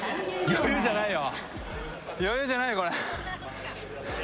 余裕じゃないよ